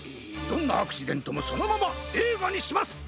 どんなアクシデントもそのままえいがにします！